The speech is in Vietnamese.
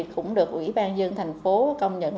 cũng được ủy ban dân thành phố công nhận